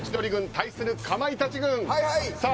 対する、かまいたち軍。